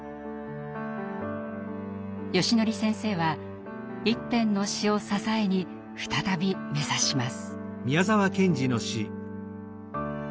よしのり先生は一編の詩を支えに再び目指します。